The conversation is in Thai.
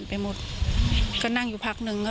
โทรไปถามว่าแม่ช่วยด้วยถูกจับ